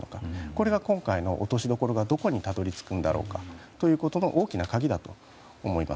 それが今回の落としどころがどこにたどり着くんだろうかということの大きな鍵だと思います。